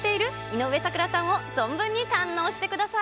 井上咲楽さんを存分に堪能してください。